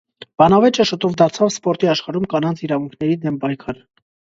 Բանավեճը շուտով դարձավ սպորտի աշխարհում կանանց իրավունքների դեմ պայքար։